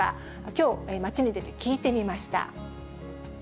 きょう、街に出て聞いてみました。